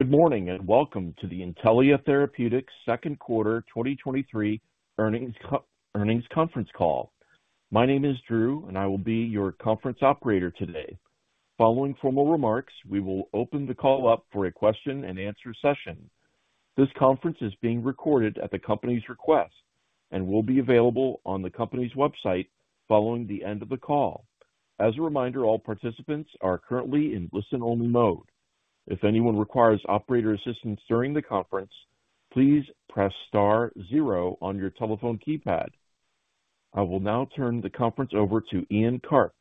Good morning, and welcome to the Intellia Therapeutics second quarter 2023 earnings conference call. My name is Drew, and I will be your conference operator today. Following formal remarks, we will open the call up for a question-and-answer session. This conference is being recorded at the company's request and will be available on the company's website following the end of the call. As a reminder, all participants are currently in listen-only mode. If anyone requires operator assistance during the conference, please press star zero on your telephone keypad. I will now turn the conference over to Ian Karp,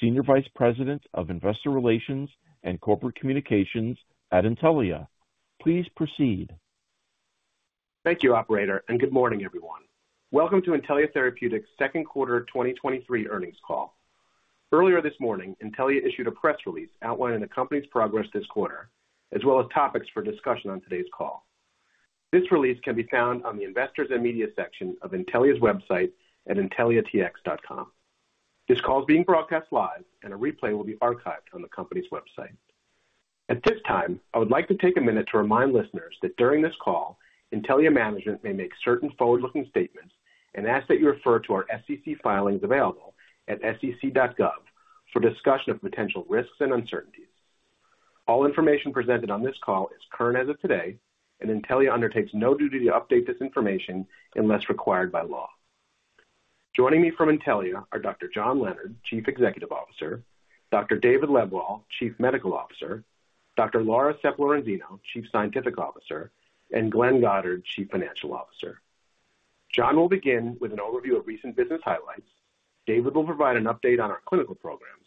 Senior Vice President, Investor Relations and Corporate Communications at Intellia. Please proceed. Thank you, operator, and good morning, everyone. Welcome to Intellia Therapeutics' second quarter 2023 earnings call. Earlier this morning, Intellia issued a press release outlining the company's progress this quarter, as well as topics for discussion on today's call. This release can be found on the Investors & Media section of Intellia's website at intelliatx.com. This call is being broadcast live, and a replay will be archived on the company's website. At this time, I would like to take a minute to remind listeners that during this call, Intellia management may make certain forward-looking statements and ask that you refer to our SEC filings available at sec.gov for discussion of potential risks and uncertainties. All information presented on this call is current as of today, and Intellia undertakes no duty to update this information unless required by law. Joining me from Intellia are Dr. John Leonard, Chief Executive Officer, Dr. David Lebwohl, Chief Medical Officer, Dr. Laura Sepp-Lorenzino, Chief Scientific Officer, and Glenn P. Goddard, Chief Financial Officer. John will begin with an overview of recent business highlights. David will provide an update on our clinical programs.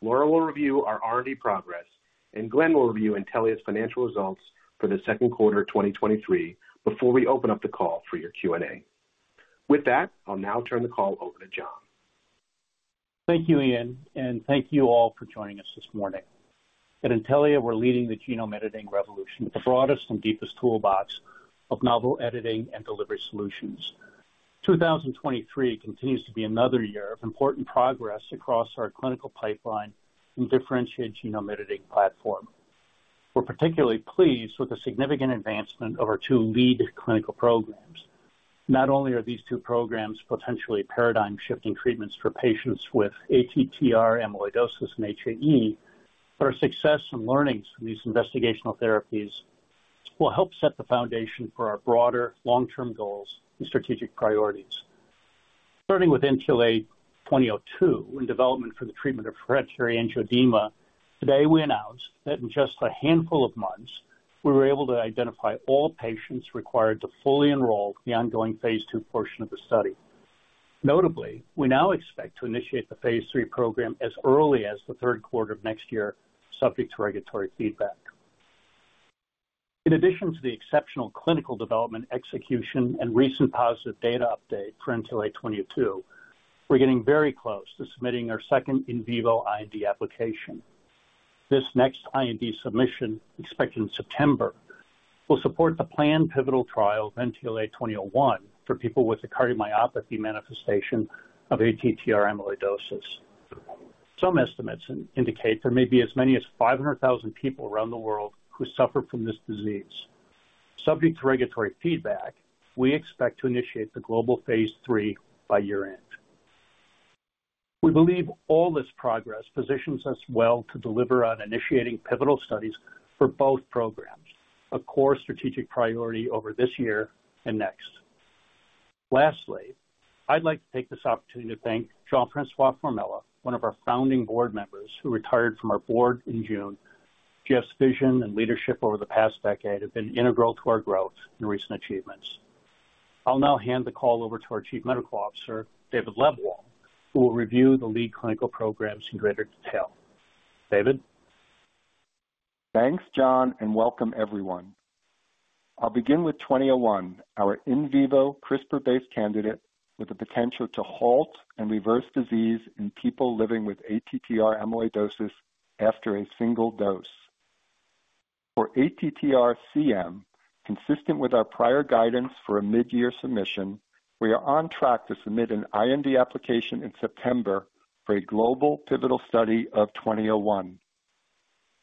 Laura will review our R&D progress, and Glenn will review Intellia's financial results for the second quarter 2023 before we open up the call for your Q&A. With that, I'll now turn the call over to John. Thank you, Ian. Thank you all for joining us this morning. At Intellia, we're leading the genome editing revolution with the broadest and deepest toolbox of novel editing and delivery solutions. 2023 continues to be another year of important progress across our clinical pipeline and differentiated genome editing platform. We're particularly pleased with the significant advancement of our two lead clinical programs. Not only are these two programs potentially paradigm-shifting treatments for patients with ATTR amyloidosis and HAE, our success and learnings from these investigational therapies will help set the foundation for our broader long-term goals and strategic priorities. Starting with INT-2002, in development for the treatment of hereditary angioedema, today we announced that in just a handful of months, we were able to identify all patients required to fully enroll the ongoing phase II portion of the study. Notably, we now expect to initiate the phase III program as early as the 3rd quarter of next year, subject to regulatory feedback. In addition to the exceptional clinical development, execution, and recent positive data update for INT-2002, we're getting very close to submitting our second in vivo IND application. This next IND submission, expected in September, will support the planned pivotal trial of INT-2001 for people with a cardiomyopathy manifestation of ATTR amyloidosis. Some estimates indicate there may be as many as 500,000 people around the world who suffer from this disease. Subject to regulatory feedback, we expect to initiate the global phase III by year-end. We believe all this progress positions us well to deliver on initiating pivotal studies for both programs, a core strategic priority over this year and next. Lastly, I'd like to take this opportunity to thank Jean-François Formela, one of our founding board members, who retired from our board in June. Jeff's vision and leadership over the past decade have been integral to our growth and recent achievements. I'll now hand the call over to our Chief Medical Officer, David Lebwohl, who will review the lead clinical programs in greater detail. David? Thanks, John, and welcome everyone. I'll begin with 2001, our in vivo CRISPR-based candidate with the potential to halt and reverse disease in people living with ATTR amyloidosis after a single dose. For ATTR-CM, consistent with our prior guidance for a mid-year submission, we are on track to submit an IND application in September for a global pivotal study of 2001.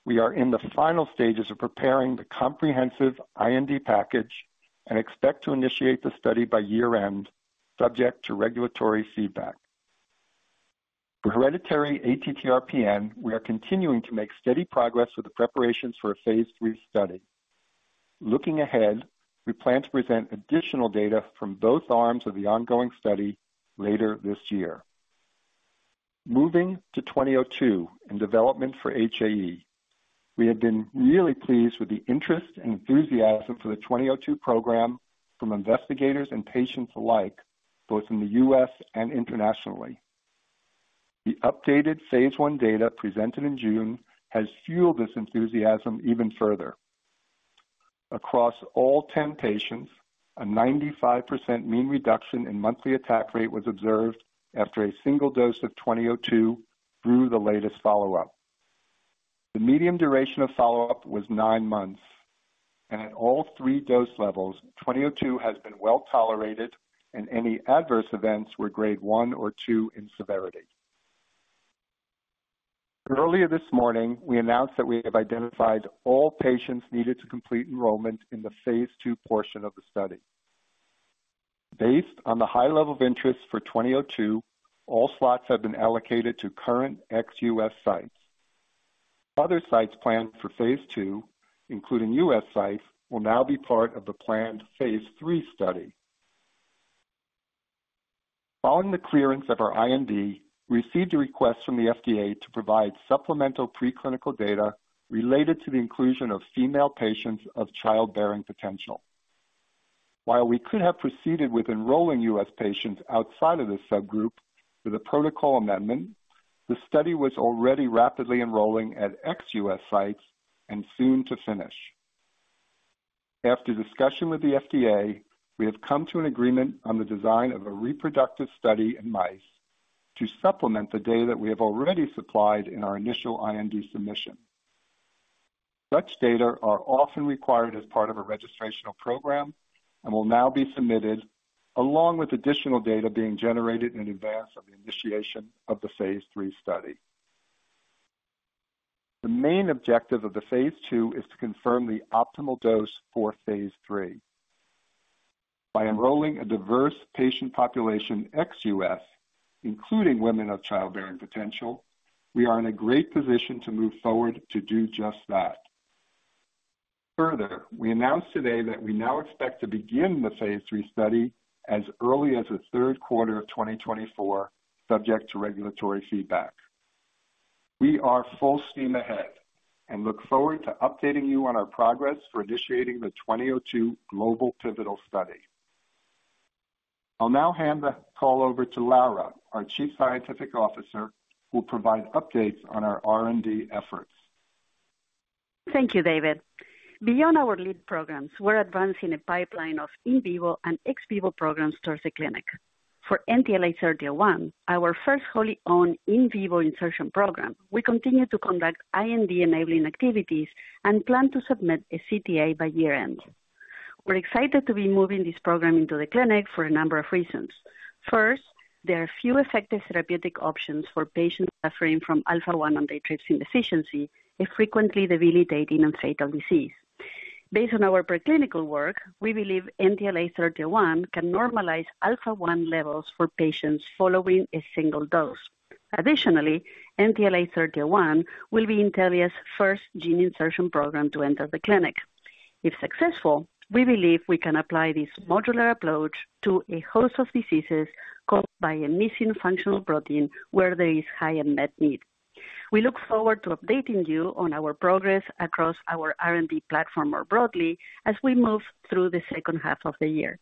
We are in the final stages of preparing the comprehensive IND package and expect to initiate the study by year-end, subject to regulatory feedback. For hereditary ATTR-PN, we are continuing to make steady progress with the preparations for a phase III study. Looking ahead, we plan to present additional data from both arms of the ongoing study later this year. Moving to 2002 in development for HAE, we have been really pleased with the interest and enthusiasm for the 2002 program from investigators and patients alike, both in the U.S. and internationally. The updated phase I data presented in June has fueled this enthusiasm even further. Across all 10 patients, a 95% mean reduction in monthly attack rate was observed after a single dose of 2002 through the latest follow-up. The median duration of follow-up was 9 months, and at all 3 dose levels, 2002 has been well tolerated and any adverse events were Grade 1 or 2 in severity. Earlier this morning, we announced that we have identified all patients needed to complete enrollment in the phase II portion of the study. Based on the high level of interest for 2002, all slots have been allocated to current ex-U.S. sites. Other sites planned for phase II, including U.S. sites, will now be part of the planned phase III study. Following the clearance of our IND, we received a request from the FDA to provide supplemental preclinical data related to the inclusion of female patients of childbearing potential. While we could have proceeded with enrolling U.S. patients outside of this subgroup with a protocol amendment, the study was already rapidly enrolling at ex-U.S. sites and soon to finish. After discussion with the FDA, we have come to an agreement on the design of a reproductive study in mice to supplement the data that we have already supplied in our initial IND submission. Such data are often required as part of a registrational program and will now be submitted, along with additional data being generated in advance of the initiation of the phase III study. The main objective of the phase II is to confirm the optimal dose for phase III. By enrolling a diverse patient population, ex-US, including women of childbearing potential, we are in a great position to move forward to do just that. Further, we announced today that we now expect to begin the phase III study as early as the third quarter of 2024, subject to regulatory feedback. We are full steam ahead and look forward to updating you on our progress for initiating the 2002 global pivotal study. I'll now hand the call over to Laura, our Chief Scientific Officer, who will provide updates on our R&D efforts. Thank you, David. Beyond our lead programs, we're advancing a pipeline of in vivo and ex vivo programs towards the clinic. For NTLA-3001, our first wholly-owned in vivo insertion program, we continue to conduct IND-enabling activities and plan to submit a CTA by year-end. We're excited to be moving this program into the clinic for a number of reasons. First, there are few effective therapeutic options for patients suffering from alpha-1 antitrypsin deficiency, a frequently debilitating and fatal disease. Based on our preclinical work, we believe NTLA-3001 can normalize alpha-1 levels for patients following a single dose. Additionally, NTLA-3001 will be Intellia's first gene insertion program to enter the clinic. If successful, we believe we can apply this modular approach to a host of diseases caused by a missing functional protein where there is high unmet need. We look forward to updating you on our progress across our R&D platform more broadly as we move through the second half of the year.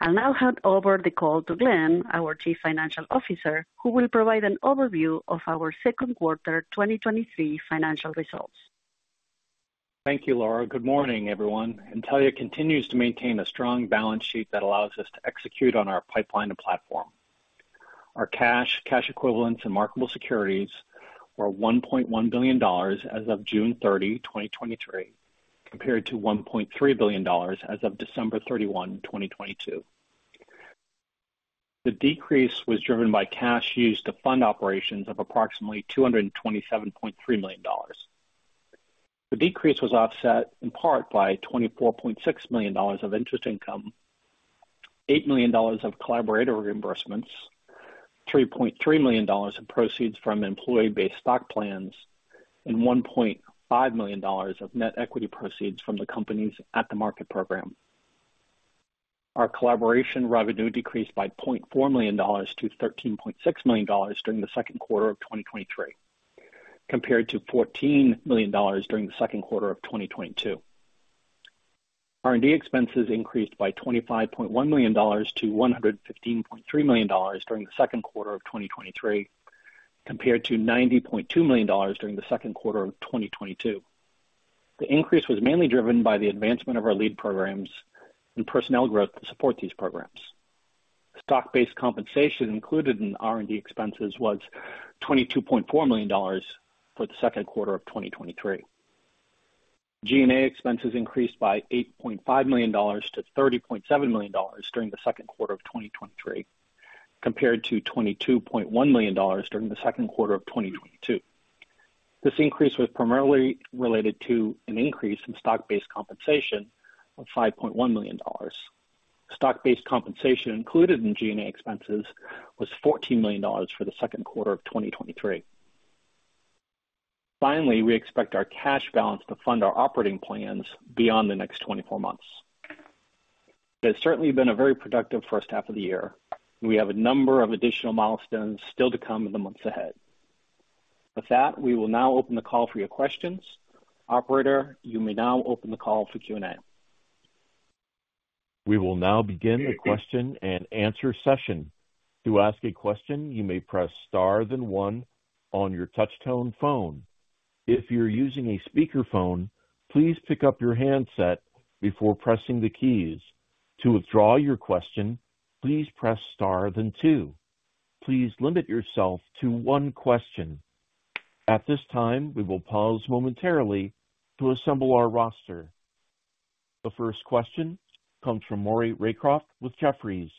I'll now hand over the call to Glenn, our Chief Financial Officer, who will provide an overview of our second quarter 2023 financial results. Thank you, Laura. Good morning, everyone. Intellia continues to maintain a strong balance sheet that allows us to execute on our pipeline and platform. Our cash, cash equivalents, and marketable securities were $1.1 billion as of June 30, 2023, compared to $1.3 billion as of December 31, 2022. The decrease was driven by cash used to fund operations of approximately $227.3 million. The decrease was offset in part by $24.6 million of interest income, $8 million of collaborator reimbursements, $3.3 million in proceeds from employee-based stock plans, and $1.5 million of net equity proceeds from the company's at-the-market program. Our collaboration revenue decreased by $0.4 million to $13.6 million during the second quarter of 2023, compared to $14 million during the second quarter of 2022. R&D expenses increased by $25.1 million to $115.3 million during the second quarter of 2023, compared to $90.2 million during the second quarter of 2022. The increase was mainly driven by the advancement of our lead programs and personnel growth to support these programs. Stock-based compensation included in R&D expenses was $22.4 million for the second quarter of 2023. G&A expenses increased by $8.5 million to $30.7 million during the second quarter of 2023, compared to $22.1 million during the second quarter of 2022. This increase was primarily related to an increase in stock-based compensation of $5.1 million. Stock-based compensation included in G&A expenses was $14 million for the second quarter of 2023. Finally, we expect our cash balance to fund our operating plans beyond the next 24 months. It's certainly been a very productive first half of the year. We have a number of additional milestones still to come in the months ahead. With that, we will now open the call for your questions. Operator, you may now open the call for Q&A. We will now begin the question and answer session. To ask a question, you may press star then one on your touch tone phone. If you're using a speakerphone, please pick up your handset before pressing the keys. To withdraw your question, please press star then two. Please limit yourself to one question. At this time, we will pause momentarily to assemble our roster. The first question comes from Maury Raycroft with Jefferies.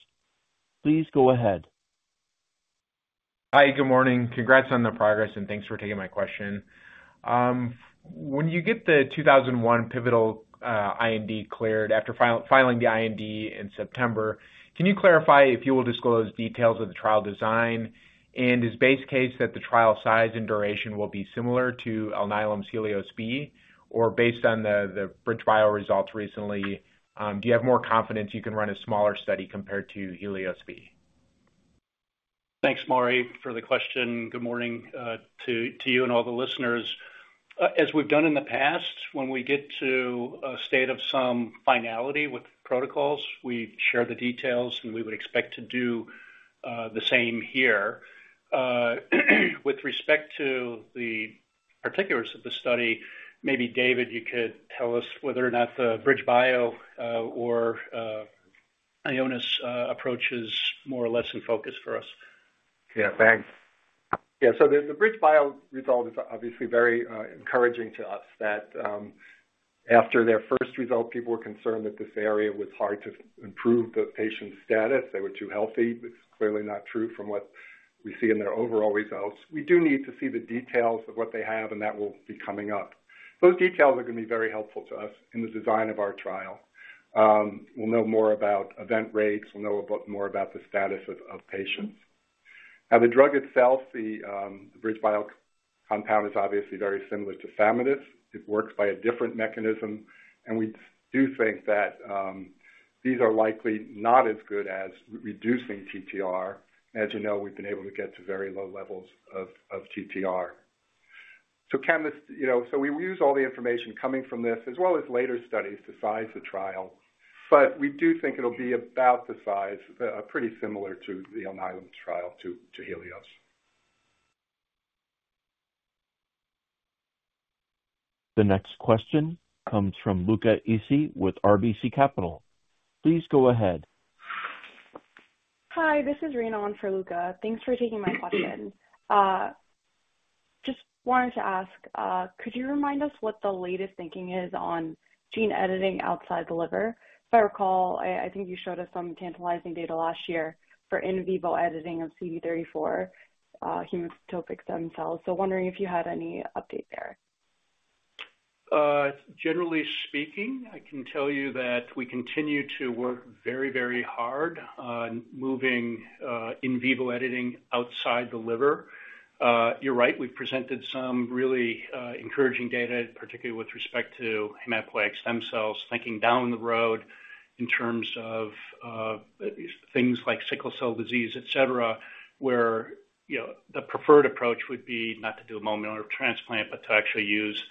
Please go ahead. Hi, good morning. Congrats on the progress, and thanks for taking my question. When you get the 2001 pivotal IND cleared after filing the IND in September, can you clarify if you will disclose details of the trial design? Is base case that the trial size and duration will be similar to Alnylam HELIOS-B, or based on the BridgeBio results recently, do you have more confidence you can run a smaller study compared to Helios-B? Thanks, Maury, for the question. Good morning, to, to you and all the listeners. As we've done in the past, when we get to a state of some finality with protocols, we share the details, and we would expect to do the same here. With respect to the particulars of the study, maybe David, you could tell us whether or not the BridgeBio or Ionis approach is more or less in focus for us. Yeah, thanks. Yeah, the, the BridgeBio result is obviously very encouraging to us that after their first result, people were concerned that this area was hard to improve the patient's status. They were too healthy. It's clearly not true from what we see in their overall results. We do need to see the details of what they have. That will be coming up. Those details are gonna be very helpful to us in the design of our trial. We'll know more about event rates. We'll know more about the status of patients. Now, the drug itself, the BridgeBio compound, is obviously very similar to tafamidis. It works by a different mechanism. We do think that these are likely not as good as reducing TTR. As you know, we've been able to get to very low levels of TTR. You know, we use all the information coming from this as well as later studies to size the trial. We do think it'll be about the size, pretty similar to the Alnylam trial to, to Helios. The next question comes from Luca Issi with RBC Capital. Please go ahead. Hi, this is Rena on for Luca. Thanks for taking my question. Just wanted to ask, could you remind us what the latest thinking is on gene editing outside the liver? If I recall, I, I think you showed us some tantalizing data last year for in vivo editing of CD34, hematopoietic stem cells. Wondering if you had any update there? Generally speaking, I can tell you that we continue to work very, very hard on moving, in vivo editing outside the liver. You're right, we've presented some really, encouraging data, particularly with respect to hematopoietic stem cells, thinking down the road in terms of, things like sickle cell disease, et cetera, where, you know, the preferred approach would be not to do a bone marrow transplant, but to actually use,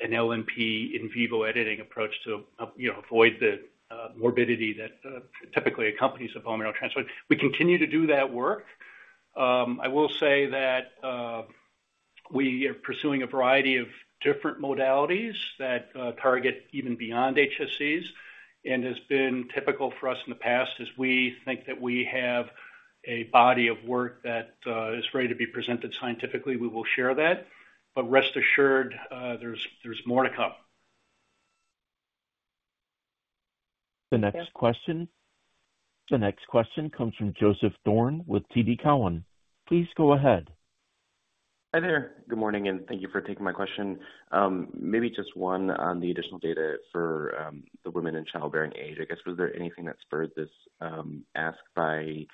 an LNP in vivo editing approach to, you know, avoid the, morbidity that, typically accompanies a bone marrow transplant. We continue to do that work. I will say that we are pursuing a variety of different modalities that target even beyond HSCs, and has been typical for us in the past, as we think that we have a body of work that is ready to be presented scientifically. We will share that. Rest assured, there's, there's more to come. The next question, the next question comes from Joseph Thome with TD Cowen. Please go ahead. Hi there. Good morning, and thank you for taking my question. Maybe just one on the additional data for the women in childbearing age. I guess, was there anything that spurred this ask by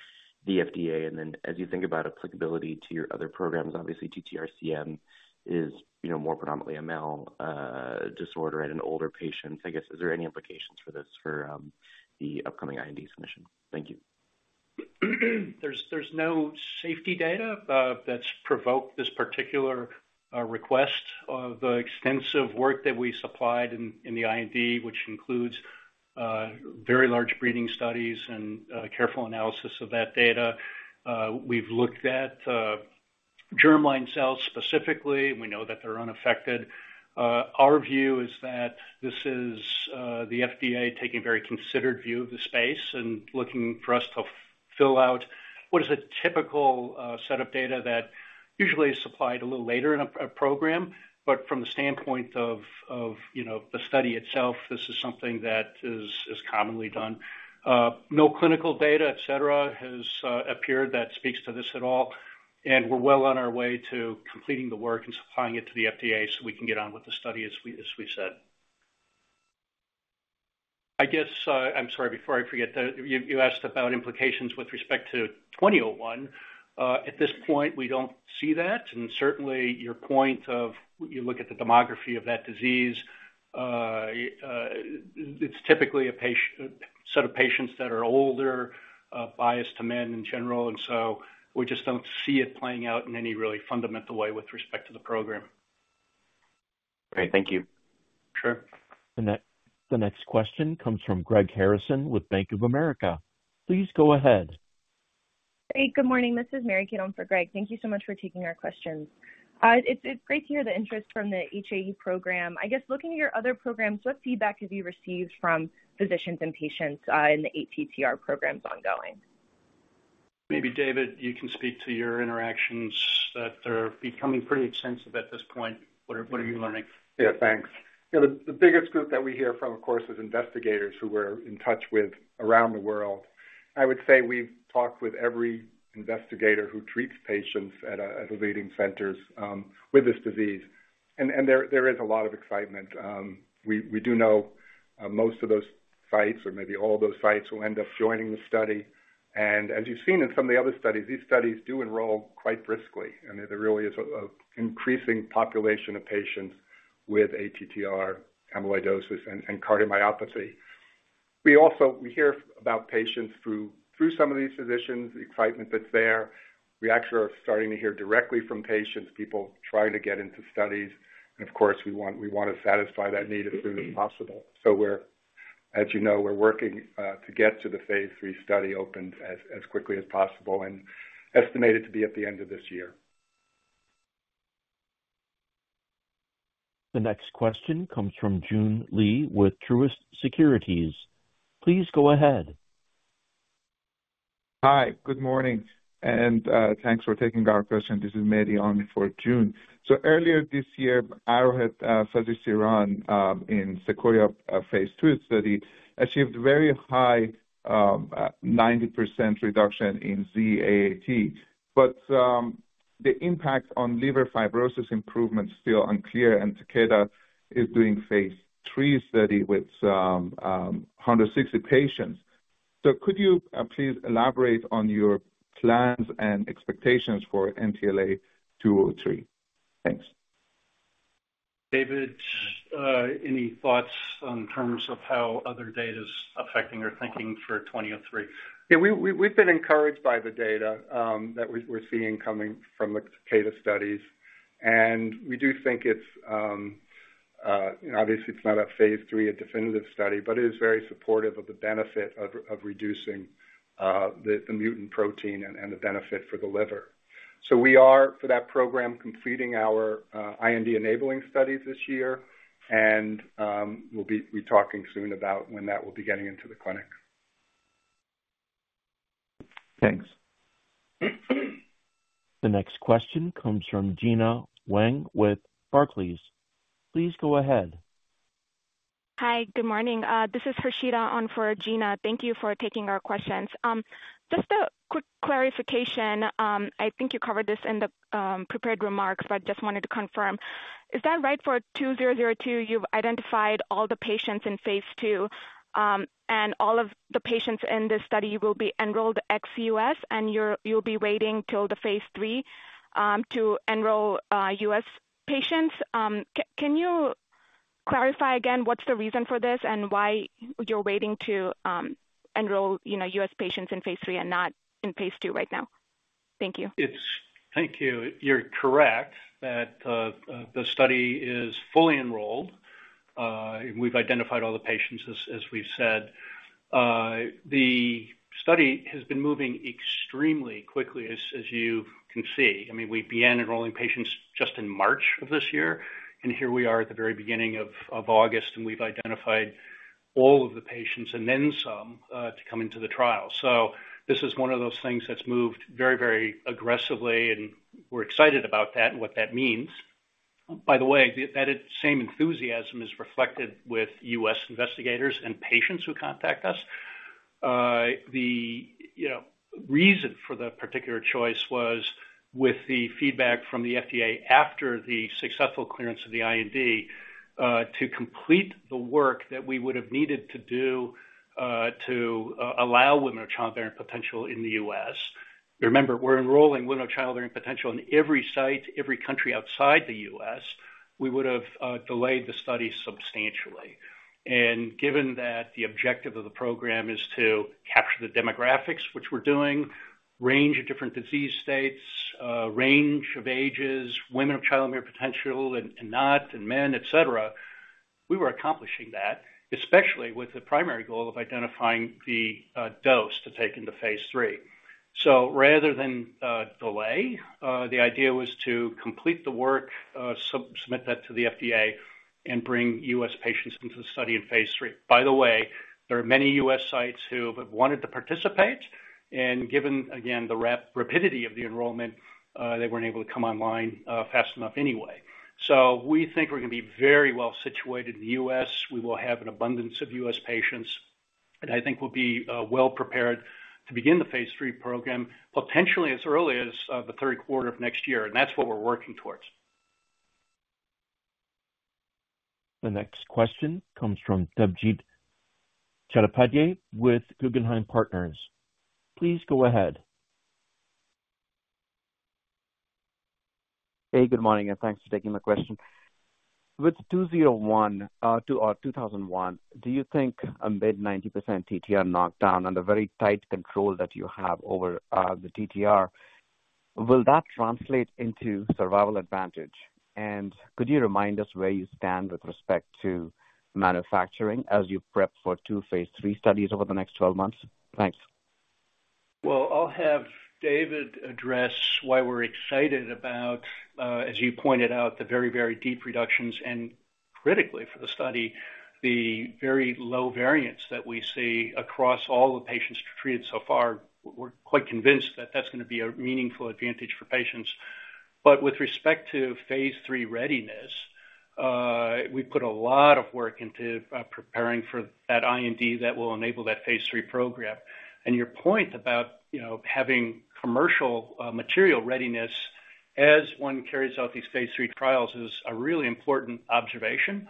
the FDA? As you think about applicability to your other programs, obviously ATTR-CM is, you know, more predominantly a male disorder and older patients. I guess, is there any implications for this for the upcoming IND submission? Thank you. There's, there's no safety data that's provoked this particular request. Of the extensive work that we supplied in, in the IND, which includes very large breeding studies and careful analysis of that data, we've looked at germline cells specifically. We know that they're unaffected. Our view is that this is the FDA taking a very considered view of the space and looking for us to fill out what is a typical set of data that usually is supplied a little later in a program. From the standpoint of, of, you know, the study itself, this is something that is, is commonly done. No clinical data, et cetera, has appeared that speaks to this at all, and we're well on our way to completing the work and supplying it to the FDA so we can get on with the study as we, as we said. I guess, I'm sorry, before I forget, the... You, you asked about implications with respect to 2001. At this point, we don't see that, and certainly your point of you look at the demography of that disease, it's typically a patient, set of patients that are older, biased to men in general, and so we just don't see it playing out in any really fundamental way with respect to the program. Great. Thank you. Sure. The next, the next question comes from Greg Harrison with Bank of America. Please go ahead. Hey, good morning. This is Mary Kate on for Greg. Thank you so much for taking our questions. It's, it's great to hear the interest from the HAE program. I guess looking at your other programs, what feedback have you received from physicians and patients, in the ATTR programs ongoing?... Maybe David, you can speak to your interactions, that they're becoming pretty extensive at this point. What are you learning? Yeah, thanks. Yeah, the, the biggest group that we hear from, of course, is investigators who we're in touch with around the world. I would say we've talked with every investigator who treats patients at the leading centers with this disease. There, there is a lot of excitement. We, we do know most of those sites or maybe all those sites will end up joining the study. As you've seen in some of the other studies, these studies do enroll quite briskly, and there really is a, a increasing population of patients with ATTR amyloidosis and cardiomyopathy. We also, we hear about patients through, through some of these physicians, the excitement that's there. We actually are starting to hear directly from patients, people trying to get into studies, and of course, we want, we wanna satisfy that need as soon as possible. We're, as you know, we're working to get to the phase III study opened as, as quickly as possible and estimated to be at the end of this year. The next question comes from June Lee with Truist Securities. Please go ahead. Hi, good morning, and thanks for taking our question. This is Mary on for June. Earlier this year, Arohat Fazilasiran, in Sequoia, phase II study, achieved very high 90% reduction in ZAAT. The impact on liver fibrosis improvement is still unclear, and Takeda is doing phase III study with some 160 patients. Could you please elaborate on your plans and expectations for NTLA 203? Thanks. David, any thoughts on terms of how other data is affecting your thinking for 2003? Yeah, we, we, we've been encouraged by the data, that we're, we're seeing coming from the Takeda studies. We do think it's, obviously, it's not a phase III, a definitive study, but it is very supportive of the benefit of, of reducing, the, the mutant protein and, and the benefit for the liver. We are, for that program, completing our, IND enabling studies this year, and, we'll be talking soon about when that will be getting into the clinic. Thanks. The next question comes from Gina Weng with Barclays. Please go ahead. Hi, good morning. This is Dashida on for Gina. Thank you for taking our questions. Just a quick clarification. I think you covered this in the prepared remarks, but just wanted to confirm. Is that right for 2002, you've identified all the patients in phase II, and all of the patients in this study will be enrolled ex-U.S., and you'll be waiting till the phase III to enroll U.S. patients? Can you clarify again, what's the reason for this, and why you're waiting to enroll, you know, U.S. patients in phase III and not in phase II right now? Thank you. It's. Thank you. You're correct that, the study is fully enrolled. We've identified all the patients as, as we've said. The study has been moving extremely quickly, as, as you can see. I mean, we began enrolling patients just in March of this year, and here we are at the very beginning of, of August, and we've identified all of the patients and then some, to come into the trial. This is one of those things that's moved very, very aggressively, and we're excited about that and what that means. By the way, that same enthusiasm is reflected with U.S. investigators and patients who contact us. The, you know, reason for the particular choice was with the feedback from the FDA after the successful clearance of the IND, to complete the work that we would have needed to do, to allow women of childbearing potential in the U.S. Remember, we're enrolling women of childbearing potential in every site, every country outside the U.S. We would have delayed the study substantially. Given that the objective of the program is to capture the demographics, which we're doing, range of different disease states, range of ages, women of childbearing potential and, and not, and men, et cetera, we were accomplishing that, especially with the primary goal of identifying the dose to take into phase III. Rather than delay, the idea was to complete the work, submit that to the FDA and bring U.S. patients into the study in phase III. By the way, there are many U.S. sites who have wanted to participate, and given, again, the rapidity of the enrollment, they weren't able to come online fast enough anyway. We think we're gonna be very well situated in the U.S. We will have an abundance of U.S. patients, and I think we'll be well prepared to begin the phase III program, potentially as early as the third quarter of next year, and that's what we're working towards. The next question comes from Debjit Chattopadhyay with Guggenheim Partners. Please go ahead. Hey, good morning, and thanks for taking my question. With 2001, do you think a mid 90% TTR knockdown and the very tight control that you have over the TTR, will that translate into survival advantage? Could you remind us where you stand with respect to manufacturing as you prep for 2 phase III studies over the next 12 months? Thanks. Well, I'll have David address why we're excited about, as you pointed out, the very, very deep reductions critically for the study, the very low variance that we see across all the patients treated so far, we're quite convinced that that's gonna be a meaningful advantage for patients. With respect to phase III readiness, we put a lot of work into preparing for that IND that will enable that phase III program. Your point about, you know, having commercial material readiness as one carries out these phase III trials is a really important observation.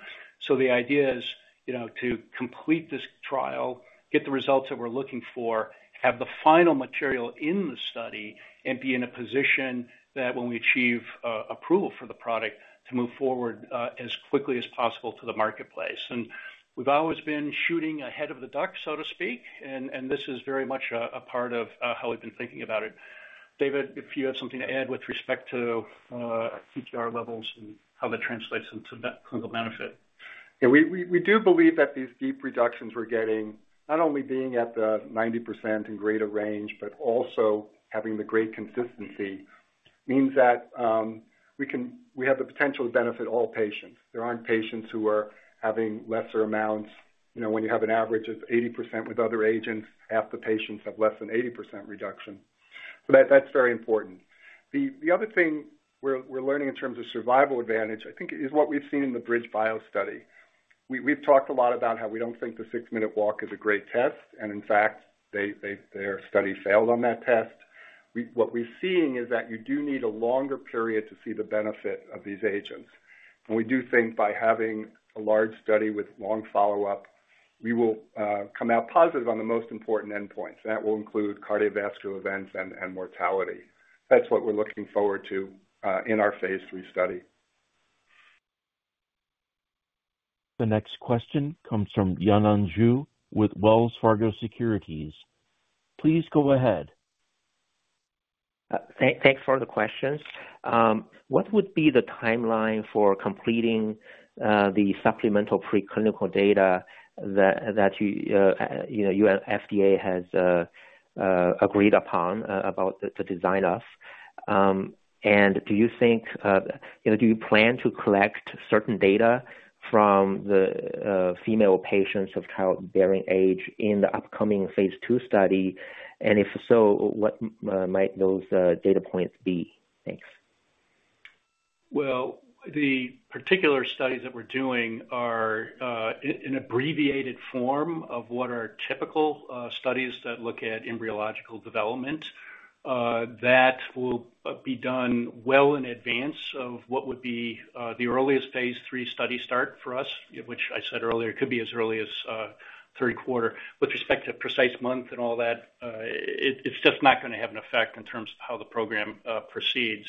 The idea is, you know, to complete this trial, get the results that we're looking for, have the final material in the study, and be in a position that when we achieve approval for the product, to move forward as quickly as possible to the marketplace. We've always been shooting ahead of the duck, so to speak, and, and this is very much a, a part of, how we've been thinking about it. David, if you have something to add with respect to, TCR levels and how that translates into that clinical benefit. Yeah, we, we, we do believe that these deep reductions we're getting, not only being at the 90% and greater range, but also having the great consistency, means that we have the potential to benefit all patients. There aren't patients who are having lesser amounts. You know, when you have an average of 80% with other agents, half the patients have less than 80% reduction. That, that's very important. The, the other thing we're, we're learning in terms of survival advantage, I think, is what we've seen in the BridgeBio study. We, we've talked a lot about how we don't think the 6-minute walk is a great test, in fact, they, they, their study failed on that test. What we're seeing is that you do need a longer period to see the benefit of these agents. We do think by having a large study with long follow-up, we will, come out positive on the most important endpoints, that will include cardiovascular events and, and mortality. That's what we're looking forward to, in our phase III study. The next question comes from Yanan Zhu with Wells Fargo Securities. Please go ahead. Thanks for the questions. What would be the timeline for completing the supplemental preclinical data that, that you, you know, U.S. FDA has agreed upon about the design of? Do you think, you know, do you plan to collect certain data from the female patients of childbearing age in the upcoming phase II study? If so, what might those data points be? Thanks. Well, the particular studies that we're doing are in abbreviated form of what are typical studies that look at embryological development. That will be done well in advance of what would be the earliest phase III study start for us, which I said earlier, could be as early as third quarter. With respect to precise month and all that, it's just not gonna have an effect in terms of how the program proceeds.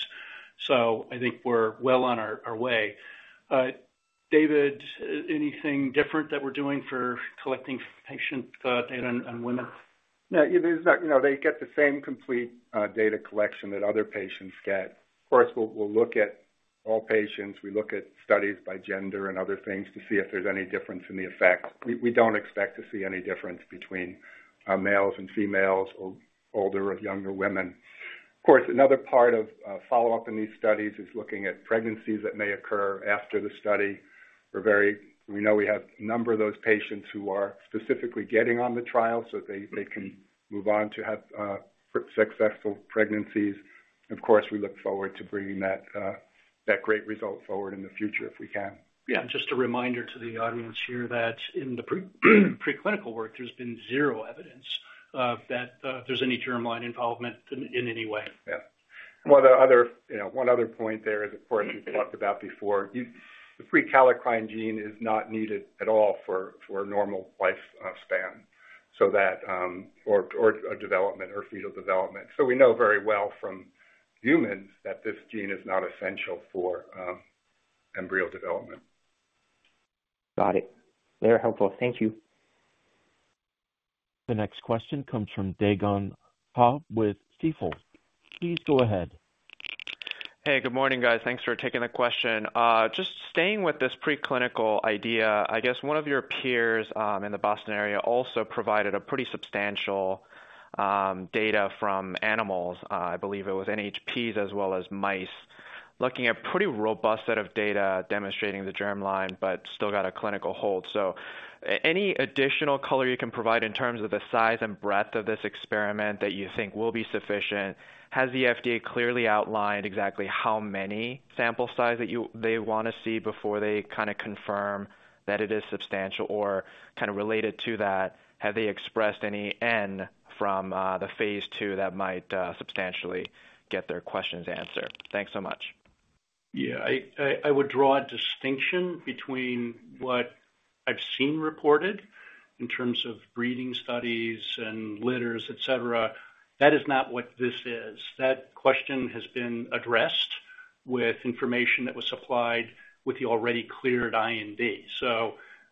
I think we're well on our way. David, anything different that we're doing for collecting patient data on women? No, it is not. You know, they get the same complete data collection that other patients get. Of course, we'll, we'll look at all patients. We look at studies by gender and other things to see if there's any difference in the effect. We, we don't expect to see any difference between males and females or older or younger women. Of course, another part of follow-up in these studies is looking at pregnancies that may occur after the study. We know we have a number of those patients who are specifically getting on the trial so they, they can move on to have successful pregnancies. Of course, we look forward to bringing that, that great result forward in the future, if we can. Yeah, just a reminder to the audience here that in the preclinical work, there's been zero evidence of that, there's any germline involvement in, in any way. Yeah. One of the other, you know, one other point there is, of course, we've talked about before, the prekallikrein gene is not needed at all for, for normal life span. Or a development or fetal development. We know very well from humans that this gene is not essential for embryo development. Got it. Very helpful. Thank you. The next question comes from Dae Gon Ha with Stifel. Please go ahead. Hey, good morning, guys. Thanks for taking the question. Just staying with this preclinical idea, I guess one of your peers in the Boston area also provided a pretty substantial data from animals. I believe it was NHPs as well as mice. Looking at pretty robust set of data demonstrating the germline, but still got a clinical hold. Any additional color you can provide in terms of the size and breadth of this experiment that you think will be sufficient? Has the FDA clearly outlined exactly how many sample size that they want to see before they kind of confirm that it is substantial? Kind of related to that, have they expressed any N from the phase II that might substantially get their questions answered? Thanks so much. Yeah, I would draw a distinction between what I've seen reported in terms of breeding studies and litters, et cetera. That is not what this is. That question has been addressed with information that was supplied with the already cleared IND.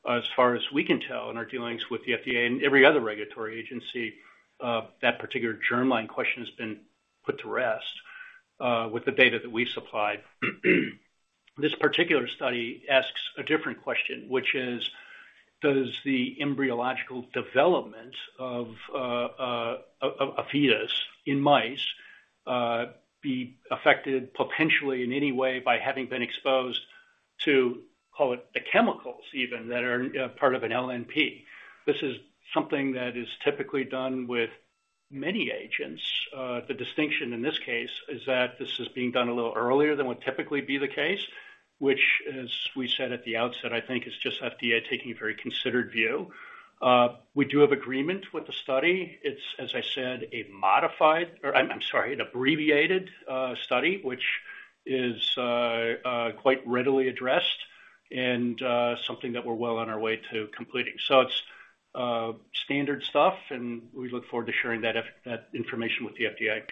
As far as we can tell in our dealings with the FDA and every other regulatory agency, that particular germline question has been put to rest with the data that we supplied. This particular study asks a different question, which is: Does the embryological development of a fetus in mice be affected potentially in any way by having been exposed to, call it, the chemicals even, that are part of an LNP? This is something that is typically done with many agents. The distinction in this case is that this is being done a little earlier than would typically be the case, which, as we said at the outset, I think is just FDA taking a very considered view. We do have agreement with the study. It's, as I said, a modified, or I'm, I'm sorry, an abbreviated, study, which is, quite readily addressed and, something that we're well on our way to completing. So it's, standard stuff, and we look forward to sharing that information with the FDA.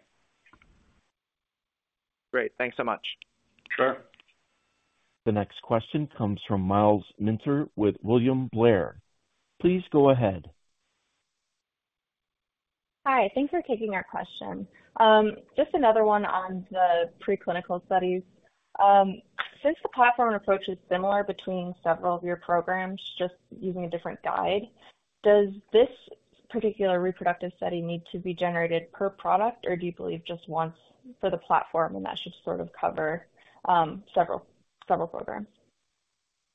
Great. Thanks so much. Sure. The next question comes from Myles Minter with William Blair. Please go ahead. Hi, thanks for taking our question. Just another one on the preclinical studies. Since the platform approach is similar between several of your programs, just using a different guide, does this particular reproductive study need to be generated per product, or do you believe just once for the platform, and that should sort of cover, several, several programs?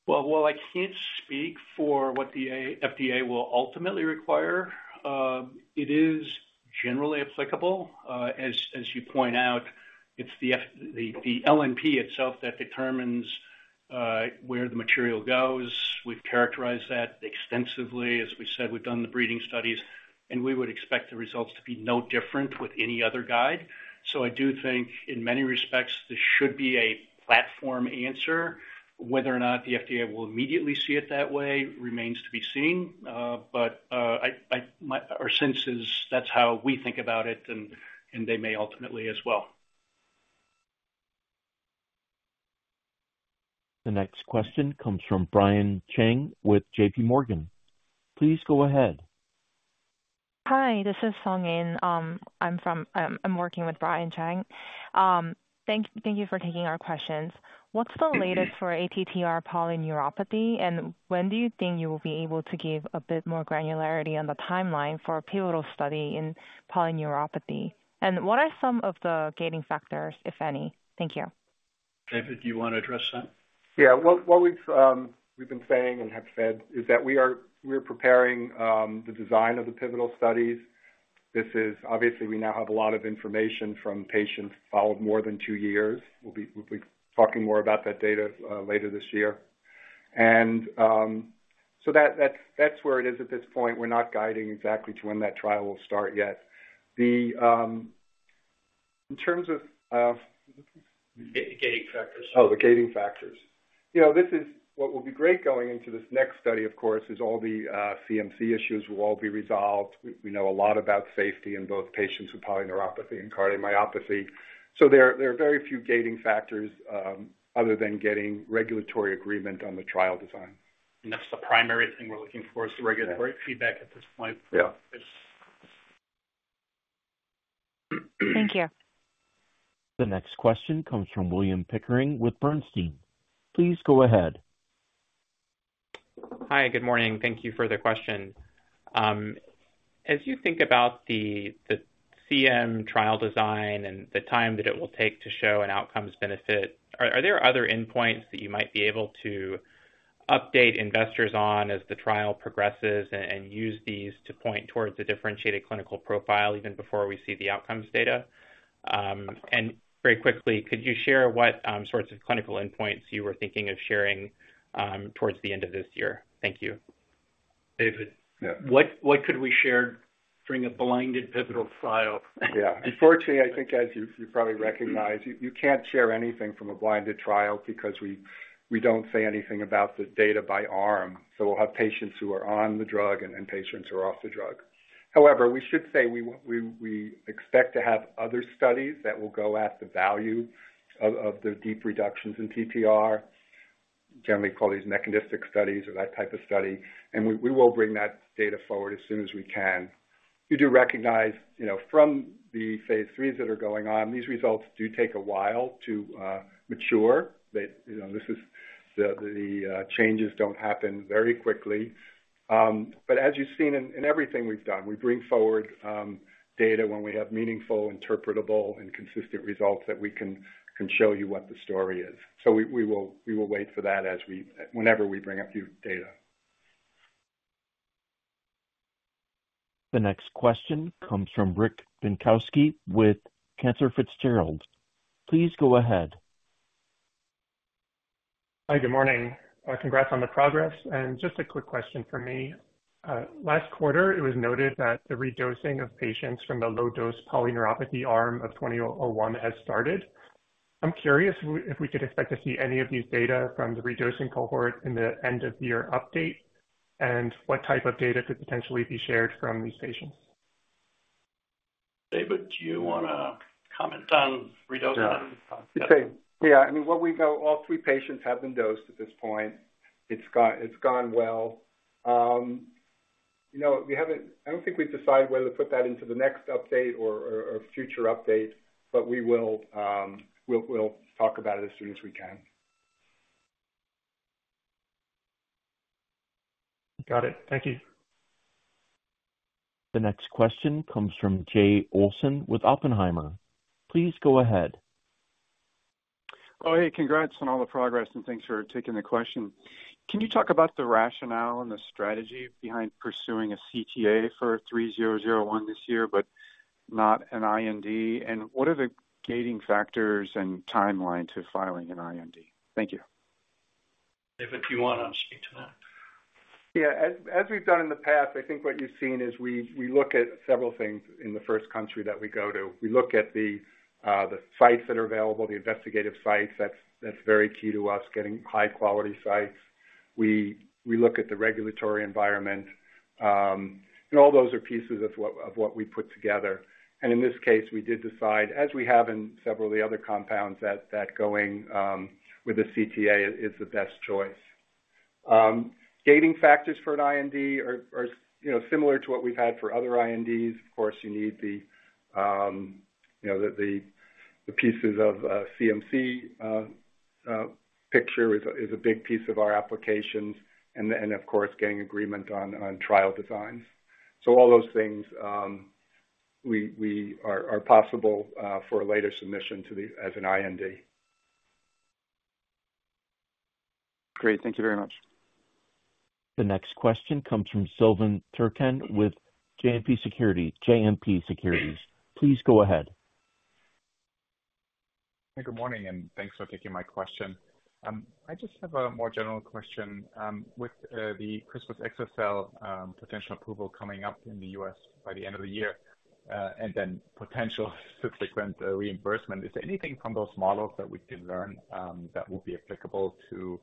Well, while I can't speak for what the FDA will ultimately require, it is generally applicable. As, as you point out, it's the LNP itself that determines where the material goes. We've characterized that extensively. As we said, we've done the breeding studies, and we would expect the results to be no different with any other guide. I do think in many respects, this should be a platform answer. Whether or not the FDA will immediately see it that way remains to be seen. Our sense is that's how we think about it, and they may ultimately as well. The next question comes from Brian Cheng with JP Morgan. Please go ahead. Hi, this is Song In. I'm from... I'm working with Brian Cheng. Thank, thank you for taking our questions. What's the latest for ATTR polyneuropathy, and when do you think you will be able to give a bit more granularity on the timeline for a pivotal study in polyneuropathy? What are some of the gating factors, if any? Thank you. David, do you want to address that? Yeah. What, what we've, we've been saying and have said is that we are, we are preparing the design of the pivotal studies. This is obviously, we now have a lot of information from patients followed more than 2 years. We'll be, we'll be talking more about that data later this year. So that, that, that's where it is at this point. We're not guiding exactly to when that trial will start yet. The, in terms of. The gating factors. Oh, the gating factors. You know, this is what will be great going into this next study, of course, is all the CMC issues will all be resolved. We, we know a lot about safety in both patients with polyneuropathy and cardiomyopathy, so there, there are very few gating factors, other than getting regulatory agreement on the trial design. That's the primary thing we're looking for. Yeah the regulatory feedback at this point. Yeah. Thank you. The next question comes from William Pickering with Bernstein. Please go ahead. Hi, good morning. Thank Thank you for the question. As you think about the, the CM trial design and the time that it will take to show an outcomes benefit, are, are there other endpoints that you might be able to update investors on as the trial progresses and, and use these to point towards a differentiated clinical profile even before we see the outcomes data? Very quickly, could you share what sorts of clinical endpoints you were thinking of sharing towards the end of this year? Thank you. David? Yeah. What, what could we share during a blinded pivotal trial? Yeah. Unfortunately, I think as you, you probably recognize, you, you can't share anything from a blinded trial because we, we don't say anything about the data by arm. We'll have patients who are on the drug and, and patients who are off the drug. However, we should say, we, we expect to have other studies that will go at the value of, of the deep reductions in TTR. Generally, call these mechanistic studies or that type of study, and we, we will bring that data forward as soon as we can. You do recognize, you know, from the phase threes that are going on, these results do take a while to mature. They, you know, this is the, the changes don't happen very quickly. As you've seen in, in everything we've done, we bring forward data when we have meaningful, interpretable, and consistent results that we can show you what the story is. We, we will, we will wait for that as we, whenever we bring up new data. The next question comes from Rick Bienkowski with Cantor Fitzgerald. Please go ahead. Hi, good morning. Congrats on the progress, and just a quick question from me. Last quarter, it was noted that the redosing of patients from the low-dose polyneuropathy arm of 2001 has started. I'm curious if we could expect to see any of these data from the redosing cohort in the end-of-year update, and what type of data could potentially be shared from these patients? David, do you wanna comment on redosing? Yeah. Okay, yeah, I mean, what we know, all three patients have been dosed at this point. It's gone well. You know, I don't think we've decided whether to put that into the next update or, or, or future update, we will, we'll, we'll talk about it as soon as we can. Got it. Thank you. The next question comes from Jay Olson with Oppenheimer. Please go ahead. Oh, hey, congrats on all the progress, and thanks for taking the question. Can you talk about the rationale and the strategy behind pursuing a CTA for 3001 this year, but not an IND? What are the gating factors and timeline to filing an IND? Thank you. David, if you wanna speak to that. Yeah, as, as we've done in the past, I think what you've seen is we, we look at several things in the first country that we go to. We look at the, the sites that are available, the investigative sites. That's, that's very key to us, getting high-quality sites. We, we look at the regulatory environment, and all those are pieces of what, of what we put together. And in this case, we did decide, as we have in several of the other compounds, that, that going with the CTA is, is the best choice. Gating factors for an IND are, are, you know, similar to what we've had for other INDs. Of course, you need the, you know, the, the, the pieces of CMC picture is a, is a big piece of our applications and, of course, getting agreement on, on trial designs. All those things, are possible, for a later submission to the as an IND. Great. Thank you very much. The next question comes from Silvan Tuerkcan with JMP Securities, JMP Securities. Please go ahead. Hey, good morning, and thanks for taking my question. I just have a more general question. With the CRISPR-X cell potential approval coming up in the U.S. by the end of the year, and then potential subsequent reimbursement, is there anything from those models that we can learn that will be applicable to,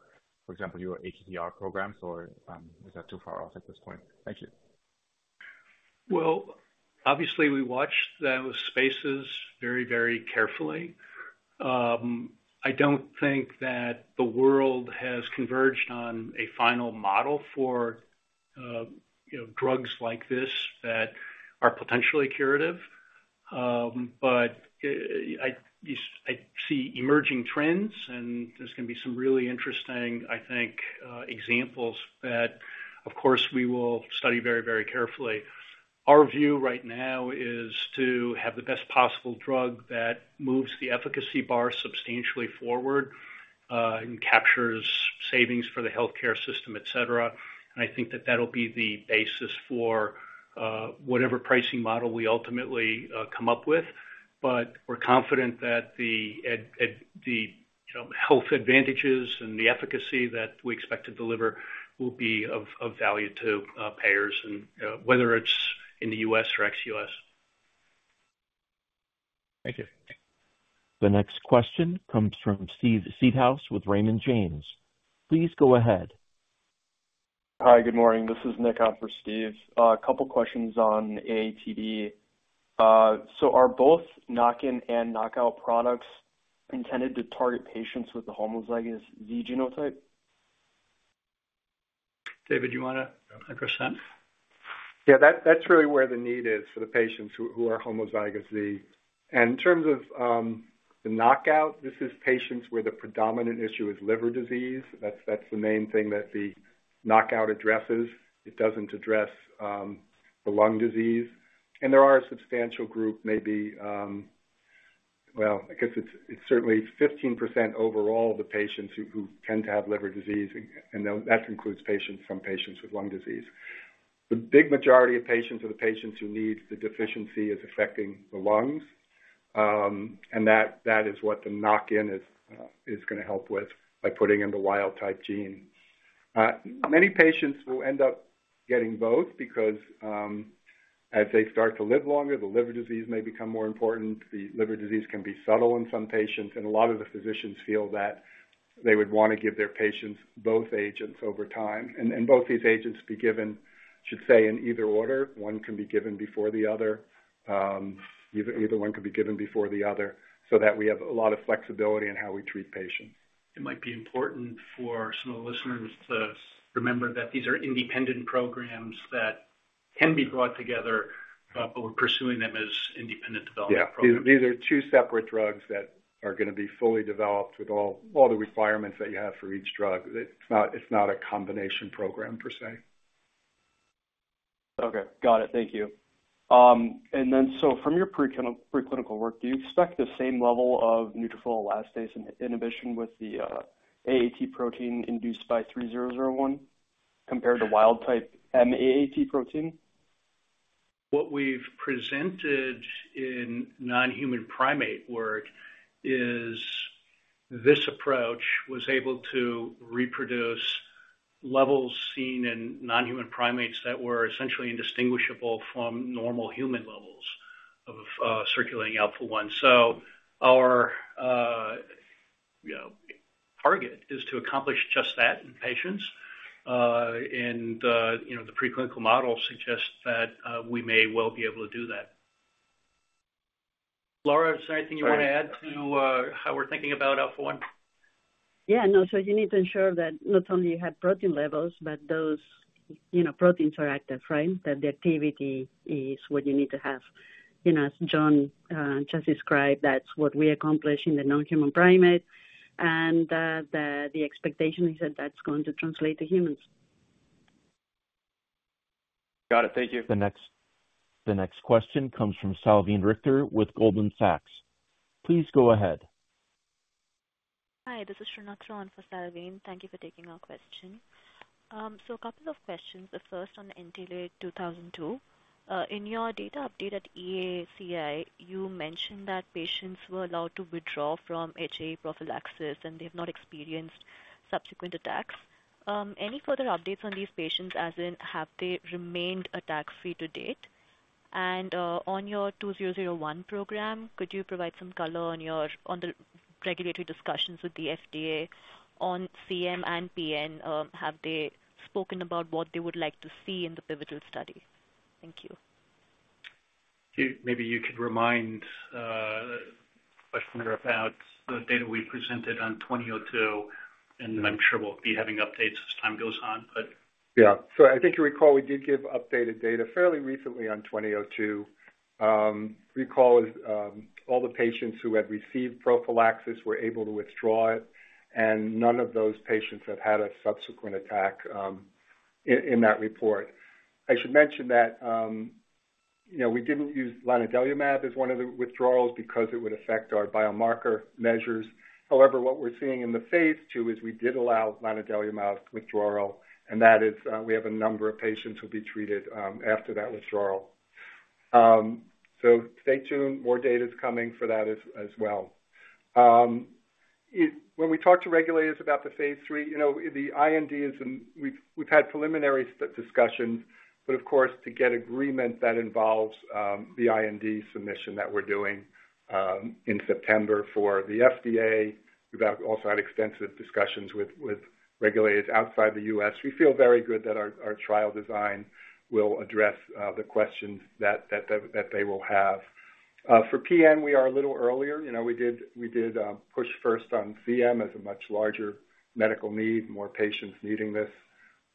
for example, your ATTR programs, or is that too far off at this point? Thank you. Well, obviously, we watch those spaces very, very carefully. I don't think that the world has converged on a final model for, you know, drugs like this that are potentially curative. But I see emerging trends. There's gonna be some really interesting, I think, examples that, of course, we will study very, very carefully. Our view right now is to have the best possible drug that moves the efficacy bar substantially forward and captures savings for the healthcare system, et cetera. I think that that'll be the basis for whatever pricing model we ultimately come up with. We're confident that the, you know, health advantages and the efficacy that we expect to deliver will be of value to payers and whether it's in the U.S. or ex-US. Thank you. The next question comes from Steve Seedhouse with Raymond James. Please go ahead. Hi, good morning. This is Nick out for Steve. A couple questions on AATD. Are both knockin and knockout products intended to target patients with the homozygous Z genotype? David, you wanna take a shot? Yeah, that, that's really where the need is for the patients who, who are homozygous Z. In terms of the knockout, this is patients where the predominant issue is liver disease. That's, that's the main thing that the knockout addresses. It doesn't address the lung disease. There are a substantial group, maybe, well, I guess it's, it's certainly 15% overall, the patients who, who tend to have liver disease, and that includes patients, some patients with lung disease. The big majority of patients are the patients who need the deficiency is affecting the lungs. That, that is what the knock-in is, is gonna help with by putting in the wild type gene. Many patients will end up getting both because, as they start to live longer, the liver disease may become more important. The liver disease can be subtle in some patients, and a lot of the physicians feel that they would wanna give their patients both agents over time. Both these agents be given, I should say, in either order. One can be given before the other, either, either one can be given before the other, so that we have a lot of flexibility in how we treat patients. It might be important for some of the listeners to remember that these are independent programs that can be brought together, but we're pursuing them as independent development programs. Yeah, these, these are two separate drugs that are gonna be fully developed with all, all the requirements that you have for each drug. It's not, it's not a combination program per se. Okay, got it. Thank you. From your preclinical work, do you expect the same level of neutrophil elastase in, inhibition with the AAT protein induced by 3001 compared to wild type M-AAT protein? What we've presented in non-human primate work is this approach was able to reproduce levels seen in non-human primates that were essentially indistinguishable from normal human levels of circulating Alpha-1. Our, you know, target is to accomplish just that in patients. You know, the preclinical model suggests that we may well be able to do that. Laura, is there anything you want to add to how we're thinking about Alpha-1? Yeah, no. You need to ensure that not only you have protein levels, but those, you know, proteins are active, right. That the activity is what you need to have. You know, as John just described, that's what we accomplish in the non-human primate. The expectation is that that's going to translate to humans. Got it. Thank you. The next question comes from Salveen Richter with Goldman Sachs. Please go ahead. Hi, this is Srikripa Devarakonda for Salveen. Thank you for taking our question. A couple of questions. The first on Intellia 2002. In your data update at EACI, you mentioned that patients were allowed to withdraw from HA prophylaxis, they've not experienced subsequent attacks. Any further updates on these patients, as in, have they remained attack-free to date? On your 2001 program, could you provide some color on your, on the regulatory discussions with the FDA on CM and PN? Have they spoken about what they would like to see in the pivotal study? Thank you. Maybe you could remind, questioner about the data we presented on 2002, and I'm sure we'll be having updates as time goes on, but- Yeah. I think you recall we did give updated data fairly recently on 2002. Recall is, all the patients who had received prophylaxis were able to withdraw it, and none of those patients have had a subsequent attack in that report. I should mention that, you know, we didn't use Lanadelumab as one of the withdrawals because it would affect our biomarker measures. However, what we're seeing in the phase II is we did allow lanadelumab withdrawal, and that is, we have a number of patients who'll be treated after that withdrawal. Stay tuned. More data is coming for that as, as well. When we talk to regulators about the phase III, you know, the IND is in, we've, we've had preliminary discussions, but of course, to get agreement that involves the IND submission that we're doing in September for the FDA. We've also had extensive discussions with, with regulators outside the U.S. We feel very good that our, our trial design will address the questions that, that, that, they will have. For PN, we are a little earlier. You know, we did, we did push first on CM as a much larger medical need, more patients needing this.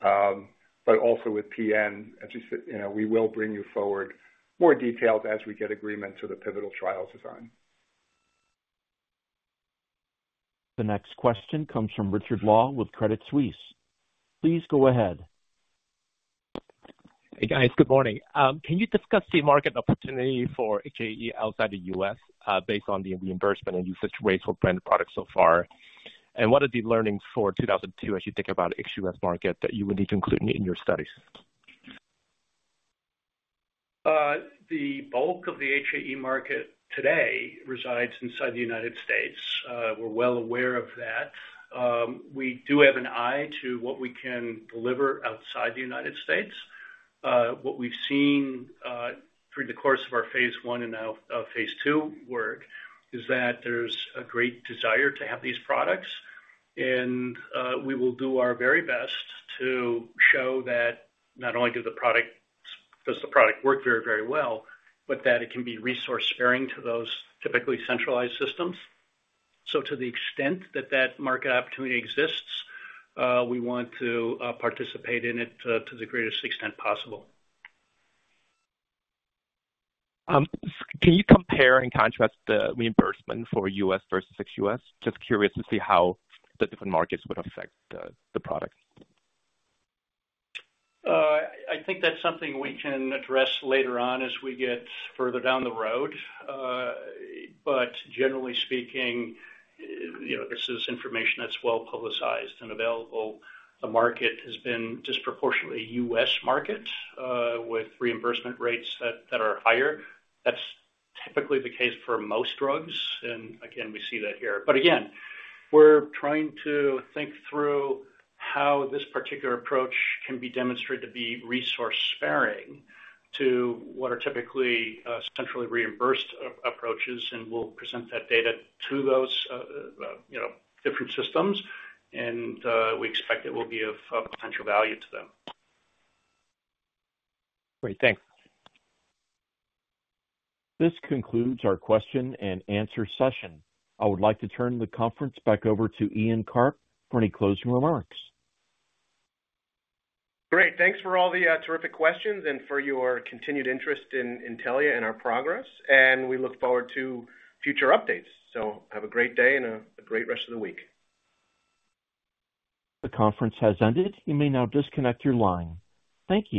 Also with PN, as you said, you know, we will bring you forward more details as we get agreement to the pivotal trial design. The next question comes from Richard Law with Credit Suisse. Please go ahead. Hey, guys. Good morning. Can you discuss the market opportunity for HAE outside the U.S., based on the reimbursement and usage rates for brand products so far? What are the learnings for 2002 as you think about ex-U.S. market that you will need to include in your studies? The bulk of the HAE market today resides inside the United States. We're well aware of that. We do have an eye to what we can deliver outside the United States. What we've seen through the course of our phase 1 and now phase II work, is that there's a great desire to have these products, and we will do our very best to show that not only do the product, does the product work very, very well, but that it can be resource sparing to those typically centralized systems. To the extent that that market opportunity exists, we want to participate in it to the greatest extent possible. Can you compare and contrast the reimbursement for U.S. versus ex-U.S.? Just curious to see how the different markets would affect the product. I think that's something we can address later on as we get further down the road. Generally speaking, you know, this is information that's well publicized and available. The market has been disproportionately a U.S. market, with reimbursement rates that, that are higher. That's typically the case for most drugs, and again, we see that here. Again, we're trying to think through how this particular approach can be demonstrated to be resource sparing, to what are typically, centrally reimbursed approaches, and we'll present that data to those, you know, different systems, and we expect it will be of potential value to them. Great. Thanks. This concludes our question and answer session. I would like to turn the conference back over to Ian Karp for any closing remarks. Great. Thanks for all the terrific questions and for your continued interest in Intellia and our progress, and we look forward to future updates. Have a great day and a great rest of the week. The conference has ended. You may now disconnect your line. Thank you.